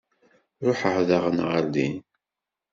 Ruḥeɣ daɣen ɣer din.